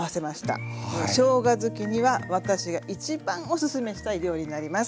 しょうが好きには私が一番おすすめしたい料理になります。